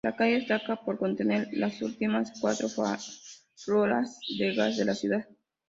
La calle destaca por contener las últimas cuatro farolas de gas de la ciudad.